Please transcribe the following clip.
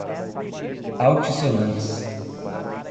altissonantes